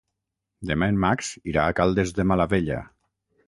Demà en Max irà a Caldes de Malavella.